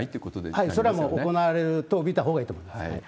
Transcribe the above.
はい、それはもう行われると見たほうがいいと思います。